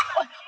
không đi đi